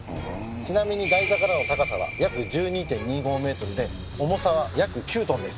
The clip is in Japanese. ちなみに台座からの高さは約１２．２５メートルで重さは約９トンです。